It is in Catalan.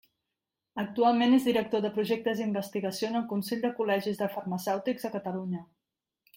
Actualment és director de Projectes i Investigació en el Consell de Col·legis de Farmacèutics de Catalunya.